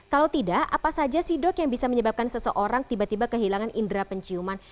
kalau tidak apa saja sih dok yang bisa menyebabkan seseorang tiba tiba kehilangan indera penciuman